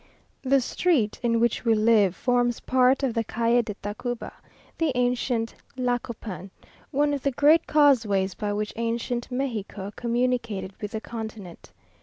The street in which we live forms part of the Calle de Tacuba, the ancient Tlacopan, one of the great causeways by which ancient Mexico communicated with the continent.